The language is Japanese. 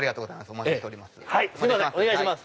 お待ちしております。